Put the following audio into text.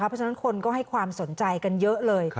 เพราะฉะนั้นคนก็ให้ความสนใจกันเยอะเลย